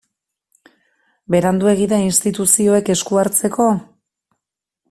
Beranduegi da instituzioek esku hartzeko?